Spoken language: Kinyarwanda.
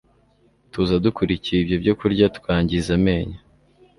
tuza dukurikiye ibyo byo kurya tukangiza amenyo.